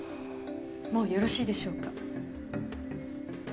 もうよろしいでしょうか？